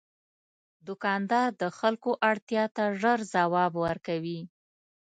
دوکاندار د خلکو اړتیا ته ژر ځواب ورکوي.